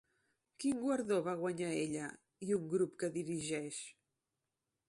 Quin guardó va guanyar ella i un grup que dirigeix?